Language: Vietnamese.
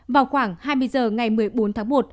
vào khoảng hai mươi h ngày một mươi bốn tháng một